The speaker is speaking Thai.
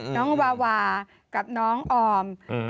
น้องวาวากับน้องออม